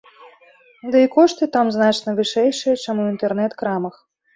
Ды і кошты там значна вышэйшыя, чым у інтэрнэт-крамах.